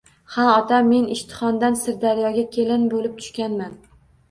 - Ha, otam. Men Ishtixondan Sirdaryoga kelin bo‘lib tushganman.